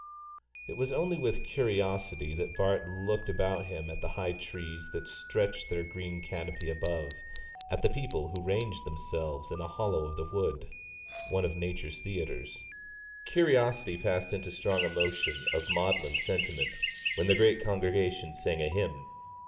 It was only with curiosity that Bart looked about him at the high trees that stretched their green canopy above, at the people who ranged themselves in a hollow of the wood one of nature's theatres. Curiosity passed into strong emotion of maudlin sentiment when the great congregation sang a hymn.